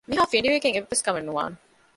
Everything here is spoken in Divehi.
މިހާ ފިނޑިވެގެން އެއްވެސް ކަމެއް ނުވާނެ